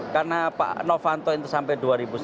karena pak novanto itu sampai dua ribu sembilan belas